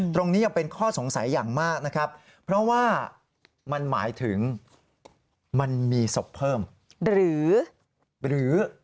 ยังเป็นข้อสงสัยอย่างมากนะครับเพราะว่ามันหมายถึงมันมีศพเพิ่มหรือ